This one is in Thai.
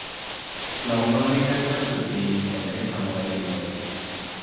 ลองโน่นนี่มันก็สนุกดี แต่ไม่ได้ทำอะไรอื่นเลย